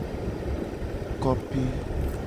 Kope.